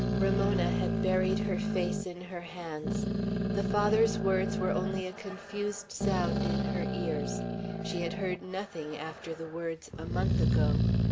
Ramona had buried her face in her hands. The Father's words were only a confused sound in her ears. She had heard nothing after the words, "a month ago."